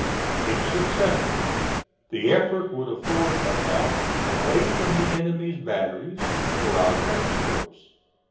If successful the effort would afford a route, away from the enemy's batteries, for our transports.